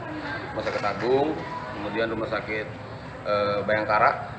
rumah sakit agung kemudian rumah sakit bayangkara